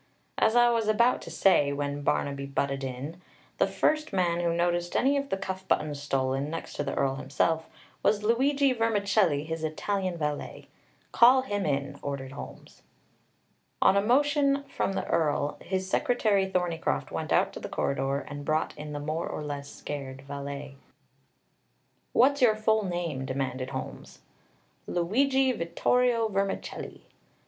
"As I was about to say, when Barnaby butted in, the first man who noticed any of the cuff buttons stolen, next to the Earl himself, was Luigi Vermicelli, his Italian valet. Call him in," ordered Holmes. On a motion from the Earl, his secretary Thorneycroft went out to the corridor and brought in the more or less scared valet. "What's your full name?" demanded Holmes. "Luigi Vittorio Vermicelli."